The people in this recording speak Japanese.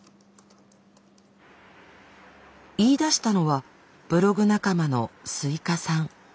言いだしたのはブログ仲間のスイカさん。